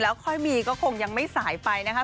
แล้วค่อยมีก็คงยังไม่สายไปนะคะ